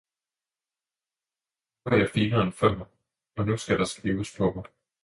Nu er jeg finere end før, og nu skal der skrives på mig!